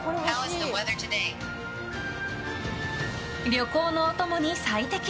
旅行のお供に最適。